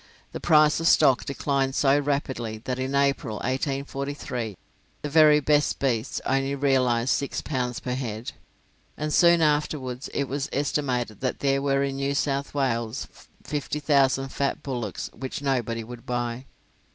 The price of stock declined so rapidly that in April, 1843, the very best beasts only realized 6 pounds per head, and soon afterwards it was estimated that there were in New South Wales 50,000 fat bullocks which nobody would buy.